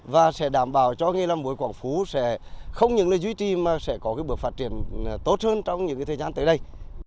và sẽ đảm bảo cho nghề làm muối quảng phú sẽ không những là duy trì mà sẽ có bước phát triển tốt hơn trong những thời gian tới đây